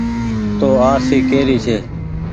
تو آرسي ڪي ري ڇي۔